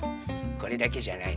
これだけじゃないの。